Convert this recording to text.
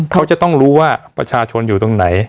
เขาจะต้องรู้ว่าประชาชนอยู่ตรงไหน